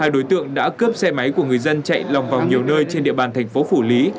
hai đối tượng đã cướp xe máy của người dân chạy lòng vòng nhiều nơi trên địa bàn thành phố phủ lý